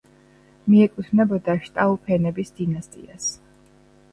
მიეკუთვნებოდა შტაუფენების დინასტიას.